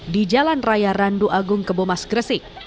di jalan raya randu agung kebomas gresik